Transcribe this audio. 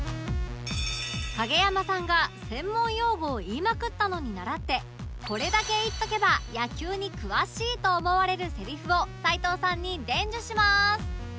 影山さんが専門用語を言いまくったのにならってこれだけ言っとけば野球に詳しいと思われるせりふを齊藤さんに伝授します